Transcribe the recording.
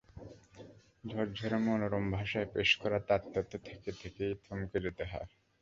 ঝরঝরে মনোরম ভাষায় পেশ করা তাঁর তথ্যে থেকে থেকেই থমকে যেতে হয়।